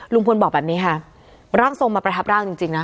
ลุงพลบอกแบบนี้ค่ะร่างทรงมาประทับร่างจริงนะ